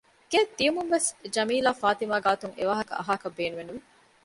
ގެއަށް ގެންދިޔުމުންވެސް ޖަމީލާ ފާތިމާ ގާތުން އެވާހަކަ އަހާކަށް ބޭނުމެއް ނުވި